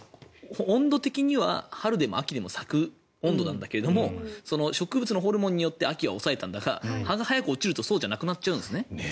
温度的には春でも秋でも咲く温度なんだけど植物のホルモンによって秋は抑えられていたのが葉が早く落ちるとそうじゃなくなっちゃうんですね